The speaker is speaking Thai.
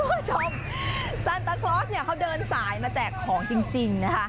คุณผู้ชมซันเตอร์คลอสเขาเดินสายมาแจกของจริงนะคะ